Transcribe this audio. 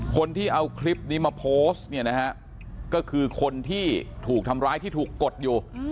คนที่เอาคลิปนี้มาโพสต์เนี่ยนะฮะก็คือคนที่ถูกทำร้ายที่ถูกกดอยู่